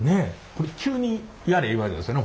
これ急にやれ言われたんですよね？